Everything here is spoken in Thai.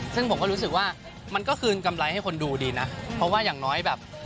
ซึ่งผมก็รู้สึกว่ามันก็คืนกำไรให้คนดูดีนะเพราะว่าอย่างน้อยแบบ